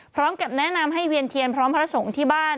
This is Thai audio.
พร้อมกับแนะนำให้เวียนเทียนพร้อมพระสงฆ์ที่บ้าน